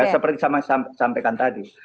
seperti saya sampaikan tadi